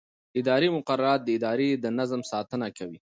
اداري مقررات د ادارې د نظم ساتنه کوي.